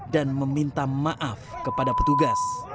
dan meminta maaf kepada petugas